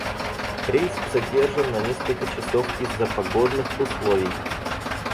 Рейс задержен на несколько часов из-за погодных условий.